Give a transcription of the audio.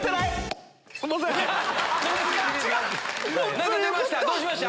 何か出ました？